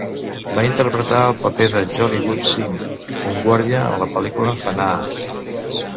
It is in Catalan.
Va interpretar el paper de Jolly Good Singh, una guàrdia, en la pel·lícula "Fanaa".